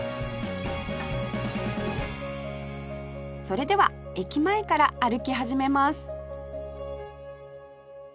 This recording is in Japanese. それでは駅前から歩き始めます